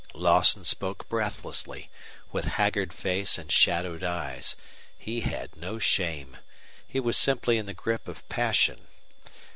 Lawson spoke breathlessly, with haggard face and shadowed eyes. He had no shame. He was simply in the grip of passion.